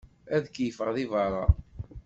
Ad keyfeɣ di berra.